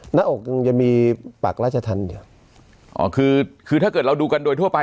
หน้าอกยังจะมีปากราชทันอยู่อ๋อคือคือถ้าเกิดเราดูกันโดยทั่วไป